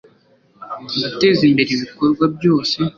Guteza imbere ibikorwa byose